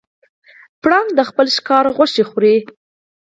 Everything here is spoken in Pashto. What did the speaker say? پړانګ د خپل ښکار غوښې خوري.